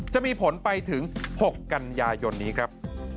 จะมีผลไปถึง๖กันยายนนี้ครับ